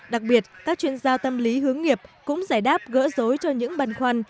đặc biệt các chuyên gia tâm lý hướng nghiệp cũng giải đáp gỡ rối cho những băn khoăn